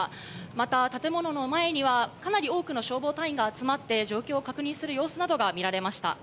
また、建物の前にはかなり多くの消防隊員が集まって、状況を確認する様子などが見られました。